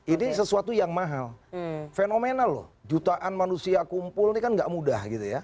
ini sesuatu yang mahal fenomenal loh jutaan manusia kumpul ini kan gak mudah gitu ya